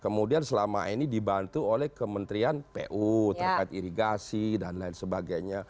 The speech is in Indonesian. kemudian selama ini dibantu oleh kementerian pu terkait irigasi dan lain sebagainya